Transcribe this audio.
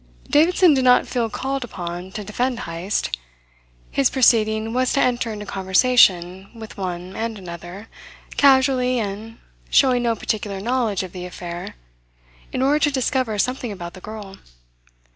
Davidson did not feel called upon to defend Heyst. His proceeding was to enter into conversation with one and another, casually, and showing no particular knowledge of the affair, in order to discover something about the girl.